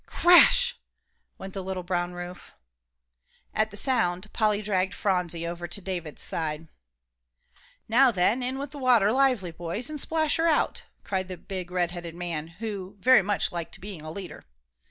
"Crash!" went the little brown roof. At the sound, Polly dragged Phronsie over to David's side. "Now, then, in with the water lively, boys, and splash her out," cried the big red headed man, who very much liked being a leader.